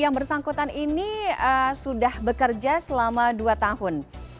yang bersangkutan ini sudah bekerja selama dua tahun